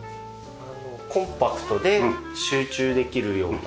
コンパクトで集中できるようなはい。